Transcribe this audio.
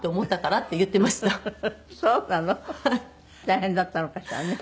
大変だったのかしらね。